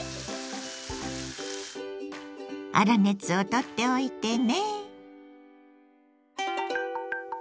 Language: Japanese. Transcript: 粗熱をとっておいてね。